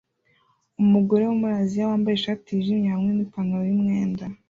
Umugore wo muri Aziya wambaye ishati yijimye hamwe nipantaro yumwenda